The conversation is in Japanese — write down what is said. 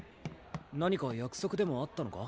何か約束でもあったのか？